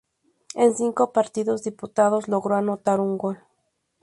En cinco partidos disputados logró anotar un gol.